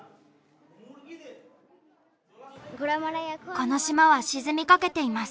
この島は沈みかけています。